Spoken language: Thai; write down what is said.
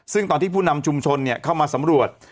ซึ่งตอนที่ผู้นำชุมชนเข้ามาสำรวจ